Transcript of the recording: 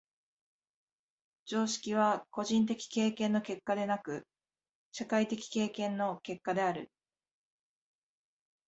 常識は個人的経験の結果でなく、社会的経験の結果である。